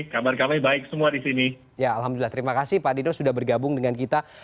kabar kami baik semua di sini ya alhamdulillah terima kasih pak dino sudah bergabung dengan kita